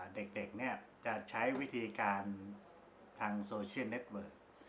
เด็กเนี่ยจะใช้วิธีการทางโซเชียลเน็ตเวิร์ก